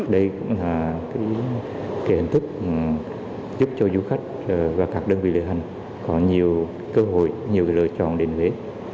đây cũng là cái hình thức giúp cho du khách và các đơn vị luyện hành có nhiều cơ hội nhiều lựa chọn đến huế